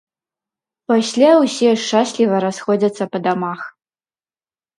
Пасля ўсе шчасліва расходзяцца па дамах.